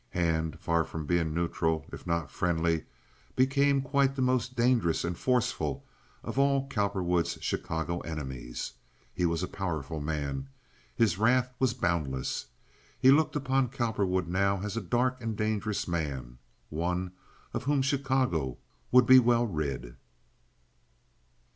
Hand, from being neutral if not friendly, became quite the most dangerous and forceful of all Cowperwood's Chicago enemies. He was a powerful man. His wrath was boundless. He looked upon Cowperwood now as a dark and dangerous man—one of whom Chicago would be well rid.